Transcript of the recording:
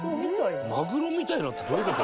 マグロみたいなってどういう事？